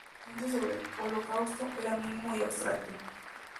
El conocimiento sobre el Holocausto era mínimo y abstracto.